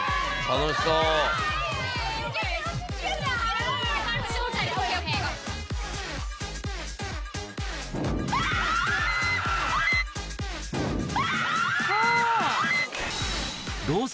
楽しそう。